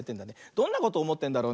どんなことおもってんだろうね。